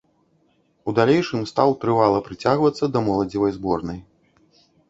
У далейшым стаў трывала прыцягвацца да моладзевай зборнай.